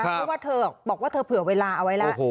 เพราะว่าเธอบอกว่าเธอเผื่อเวลาเอาไว้แล้ว